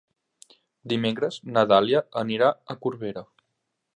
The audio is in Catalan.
Dimecres na Dàlia anirà a Corbera.